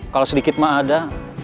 kalau sedikit mah ada